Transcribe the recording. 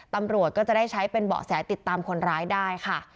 ตำรวจก็จะได้ใช้เป็นเบาะแสติดตามคนร้ายได้ค่ะ